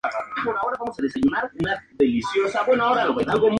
Se educó en el Liverpool College.